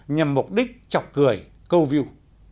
nhằm mục đích chọc cười câu view